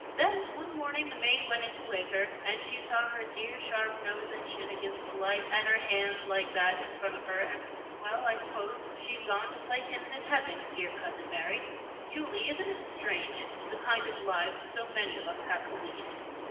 Then, one morning, the maid went in to wake her, and she saw her dear sharp nose and chin against the light, and her hands like that, in front of her and well, I suppose, she'd gone to play hymns in heaven dear Cousin Mary! Julie, isn't it strange the kind of lives so many of us have to lead?